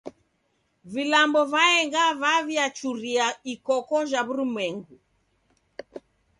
Vilambo vaenga vaw'iachura ikoko ja w'urumwengu.